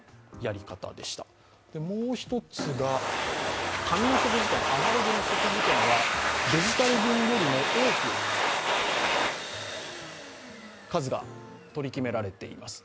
もう一つが紙の食事券、アナログの食事券はデジタル分よりも多く数が取り決められています。